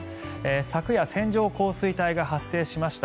昨夜、線状降水帯が発生しました。